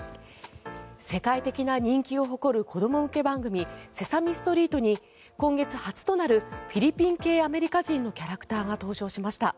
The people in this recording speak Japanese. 世界的な人気を誇る子ども向け番組「セサミストリート」に今月初となるフィリピン系アメリカ人のキャラクターが登場しました。